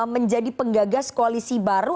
menjadi penggagas koalisi baru